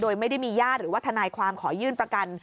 โดยไม่ได้มีญาติหรือว่าทนายความขอยื่นประกัน